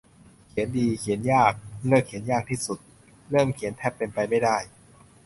เขียนดีเขียนยาก เลิกเขียนยากที่สุด เริ่มเขียนแทบเป็นไปไม่ได้